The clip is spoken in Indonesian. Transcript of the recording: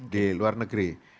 di luar negeri